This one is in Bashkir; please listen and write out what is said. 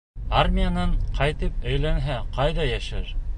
Армиянан ҡайтып өйләнһә, ҡайҙа йәшәр?